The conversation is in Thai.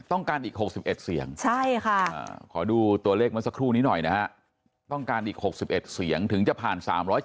ต้องการอีก๖๑เสียงใช่ค่ะขอดูตัวเลขเมื่อสักครู่นี้หน่อยนะฮะต้องการอีก๖๑เสียงถึงจะผ่าน๓๗